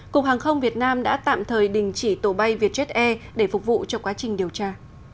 cục hàng không việt nam đã tạm thời đình chỉ tổ bay vietjet air để phục vụ cho quá trình điều tra